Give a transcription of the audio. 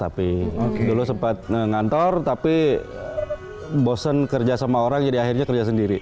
tapi dulu sempat ngantor tapi bosen kerja sama orang jadi akhirnya kerja sendiri